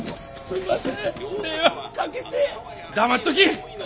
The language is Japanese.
黙っとき。